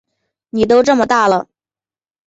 妳都这么大了